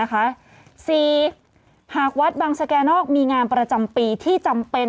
หากวัดบังสแก่นอกมีงานประจำปีที่จำเป็น